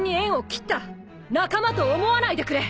仲間と思わないでくれ！